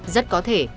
rất có thể